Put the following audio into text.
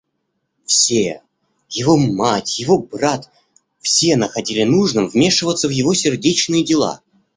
Все, его мать, его брат, все находили нужным вмешиваться в его сердечные дела.